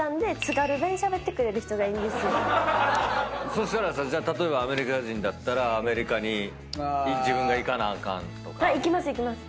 そしたらさ例えばアメリカ人だったらアメリカに自分が行かなあかんとか。行きます行きます。